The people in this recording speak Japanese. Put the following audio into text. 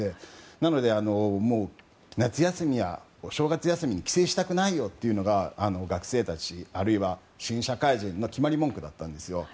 なので、夏休みやお正月休みに帰省したくないというのが学生たちあるいは新社会人の決まり文句だったんですよ。